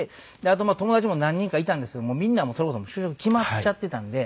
あとまあ友達も何人かいたんですけどもみんなそれこそ就職決まっちゃってたんで。